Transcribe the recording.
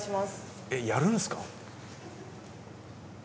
えっやるんですか？